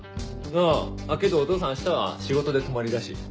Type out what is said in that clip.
ああけどお父さん明日は仕事で泊まりらしい。